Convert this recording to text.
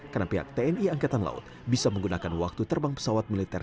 karena pihak tni angkatan laut bisa menggunakan waktu terbang pesawat militer